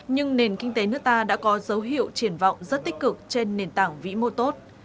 nhưng nền kinh tế nước ta đã có dấu hiệu triển vọng rất tích cực trên nền tảng vĩ mô tốt